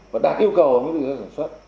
và đạt yêu cầu của những cơ sở sản xuất